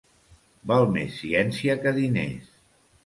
Val més ciència que diners.